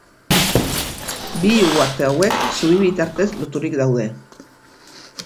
Bi uharte hauek zubi bitartez loturik daude.